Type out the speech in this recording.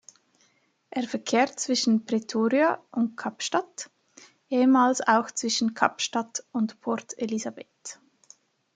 Er verkehrt zwischen Pretoria und Kapstadt, ehemals auch zwischen Kapstadt und Port Elizabeth.